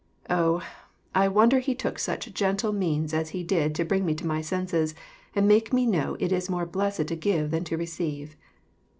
Oh, I wonder he took any such gentle means as he did to bring me to my senses, and make me know it is more blessed to give than to receive.